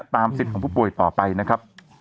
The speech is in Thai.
สิทธิ์ของผู้ป่วยต่อไปนะครับ